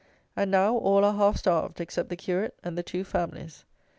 And now all are half starved, except the curate and the two families.